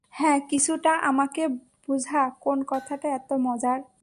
হ্যাঁ, কিছুটা, আমাকে বুঝা কোন কথাটা এত মজার?